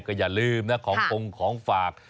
ก็อย่าลืมนะของคงของฝาก